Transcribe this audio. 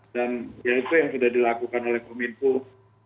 dan ya itu yang sudah dilakukan oleh kementerian hukum info